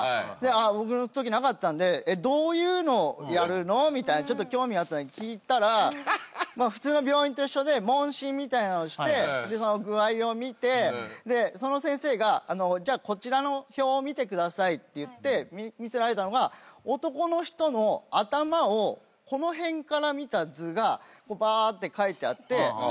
僕のときなかったんで「どういうのをやるの？」みたいな。ちょっと興味あったんで聞いたら普通の病院と一緒で問診みたいなのして具合を診て先生が「こちらの表を見てください」って言って見せられたのが男の人の頭をこの辺から見た図がばーって描いてあって。